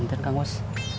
bentar kang bos